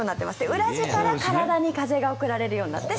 裏地から体に風が送られるようになって。